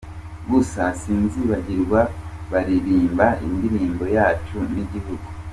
Gusa sinzibagirwa baririmba indirimbo yacu y’igihugu.